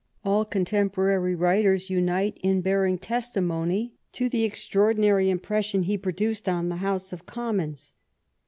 All contemporary writers unite in bearing testimony to the extraordinary impression he produced on the House of Com mons.